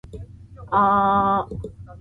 aaaa